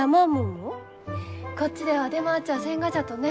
こっちでは出回っちゃあせんがじゃとね。